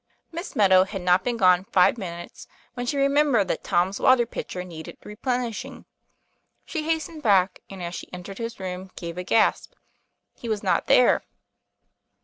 Miss Meadow had not been gone five minutes, when she remembered that Tom's water pitcher needed replenishing. She hastened back, and, as she entered his room, gave a gasp. He was not there.